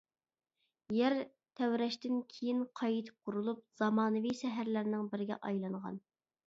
يەر تەۋرەشتىن كېيىن قايتا قۇرۇلۇپ، زامانىۋى شەھەرلەرنىڭ بىرىگە ئايلانغان.